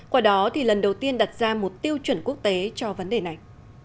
qua đó thì lần đầu tiên đặt ra một tiêu chuẩn quốc tế cho vấn đề này